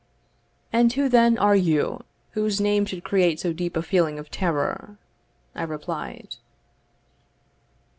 "And who then are you, whose name should create so deep a feeling of terror?" I replied.